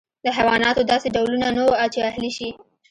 د حیواناتو داسې ډولونه نه وو چې اهلي شي.